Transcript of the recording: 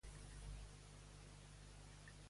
Com defineix Calvo el document?